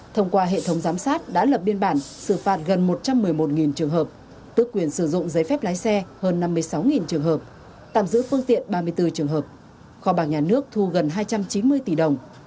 thông qua hệ thống giám sát đã lập biên bản xử phạt gần một trăm một mươi một trường hợp tước quyền sử dụng giấy phép lái xe hơn năm mươi sáu trường hợp tạm giữ phương tiện ba mươi bốn trường hợp kho bạc nhà nước thu gần hai trăm chín mươi tỷ đồng